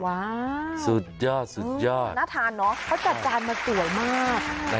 สุดยอดสุดยอดน่าทานเนอะเขาจัดการมาสวยมาก